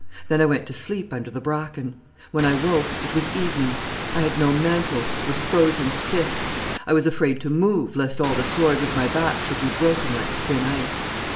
Then I went to sleep under the bracken. When I woke it was evening. I had no mantle, was frozen stiff. I was afraid to move, lest all the sores of my back should be broken like thin ice.